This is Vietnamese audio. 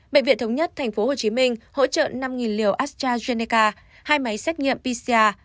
bệnh viện thống nhất tp hcm hỗ trợ năm liều astrazeneca hai máy xét nghiệm pcr